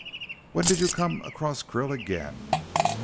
"When did you come across Krill again?"